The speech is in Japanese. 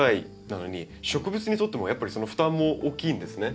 なのに植物にとってもやっぱり負担も大きいんですね。